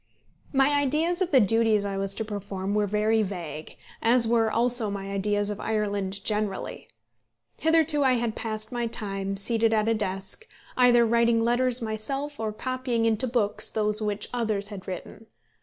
My ideas of the duties I was to perform were very vague, as were also my ideas of Ireland generally. Hitherto I had passed my time, seated at a desk, either writing letters myself, or copying into books those which others had written.